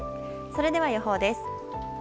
それでは予報です。